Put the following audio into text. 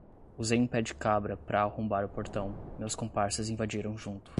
Usei um pé de cabra pra arrombar o portão, meus comparsas invadiram junto